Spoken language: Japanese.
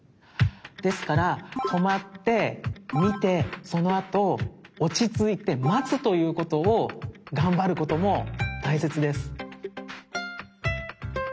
ですからとまってみてそのあとおちついてまつということをがんばることもたいせつです。